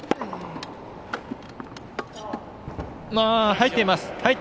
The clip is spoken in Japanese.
入っています。